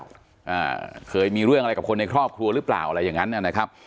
อ่าเคยมีเรื่องอะไรกับคนในครอบครัวหรือเปล่าอะไรอย่างงั้นนะครับ